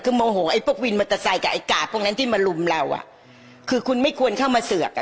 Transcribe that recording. คือโมโหไอ้พวกวินมอเตอร์ไซค์กับไอ้กาดพวกนั้นที่มาลุมเราอ่ะคือคุณไม่ควรเข้ามาเสือกอ่ะ